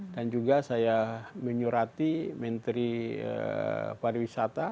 dan juga saya menyurati menteri pariwisata